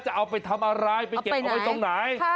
จะเอาไปทำอะไรไปเก็บเอาไว้ตรงไหน